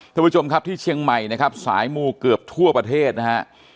ท่านผู้ชมครับที่เชียงมัยสายมูกเกือบทั่วประเทศนะครับ